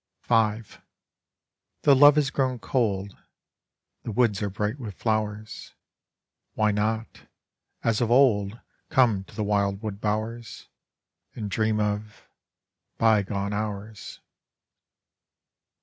V Though love Has grown cold, The woods are bright with flowers, Why not, as of old Come to the wildwood bowers And dreasi of bygone hours!